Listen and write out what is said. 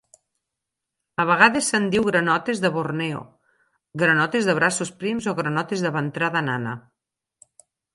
A vegades se'n diu granotes de Borneo, granotes de braços prims o granotes de ventrada nana.